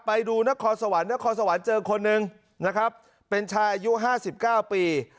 ไปดูนครสวรรค์นครสวรรค์เจอคนหนึ่งนะครับเป็นชายอายุ๕๙ปี